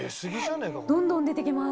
どんどん出てきます。